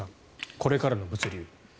これからの物流。